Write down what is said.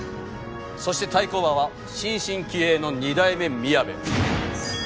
そして対抗馬は新進気鋭の二代目みやべ。